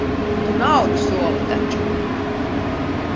Tu naudu soli taču.